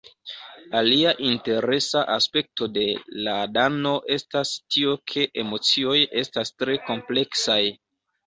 Alia interesa aspekto de Láadano estas tio ke emocioj estas tre kompleksaj